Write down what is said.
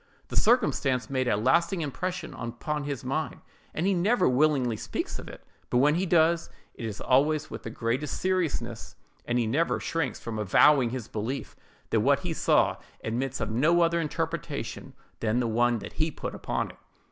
The circumstance made a lasting impression upon his mind, and he never willingly speaks of it; but when he does, it is always with the greatest seriousness, and he never shrinks from avowing his belief, that what he saw admits of no other interpretation than the one he then put upon it.